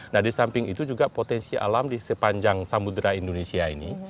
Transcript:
nah di samping itu juga potensi alam di sepanjang samudera indonesia ini